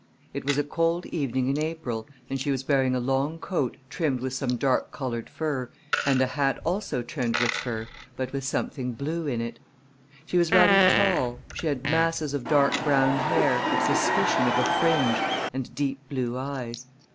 It was a cold evening in April and she was wearing a long coat trimmed with some dark colored fur, and a hat also trimmed with fur, but with something blue in it. She was rather tall; she had masses of dark brown hair, a suspicion of a fringe, and deep blue eyes.